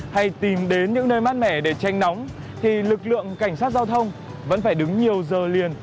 hay tìm đến những nơi mát mẻ để tranh nóng thì lực lượng cảnh sát giao thông vẫn phải đứng nhiều giờ liền